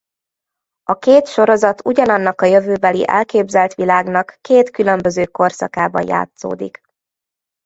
A két sorozat ugyanannak a jövőbeli elképzelt világnak két különböző korszakában játszódik.